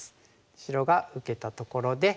白が受けたところでさあ